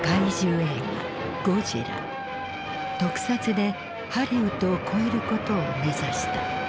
特撮でハリウッドを超えることを目指した。